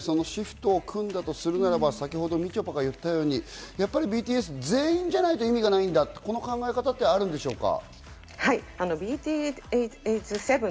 そのシフトを組んだとするならば、みちょぱが言ったようにＢＴＳ全員じゃないと意味がないんだと、その考え方はあるんでしょうか？